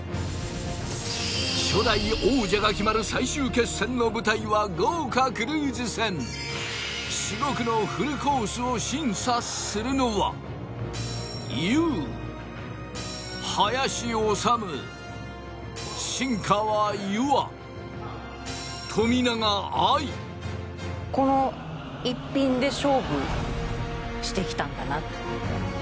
初代王者が決まる最終決戦の舞台は豪華クルーズ船至極のフルコースを審査するのはこの一品で勝負してきたんだな